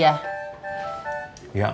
ya enggak bu